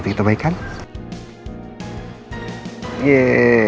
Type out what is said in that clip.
kita baikkan ye